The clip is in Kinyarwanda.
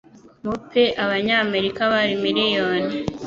Mu pe Abanyamerika bari miliyoni